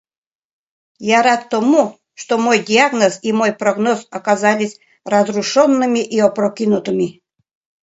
Я рад тому, что мой диагноз и мой прогноз оказались разрушенными и опрокинутыми.